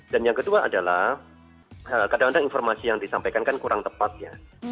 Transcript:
dan yang kedua adalah kadang kadang informasi yang disampaikan kan kurang tepat ya